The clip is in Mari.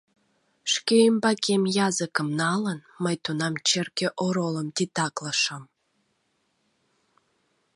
Шке ӱмбакем языкым налын, мый тунам черке оролым титаклышым.